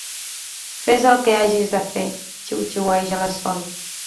Fes el que hagis de fer —xiuxiueja la Sol.